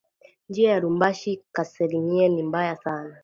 Njia ya lubumbashi kalemie ni mbaya sana